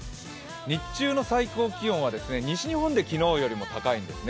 日中の最高気温は西日本で昨日より高いんですね。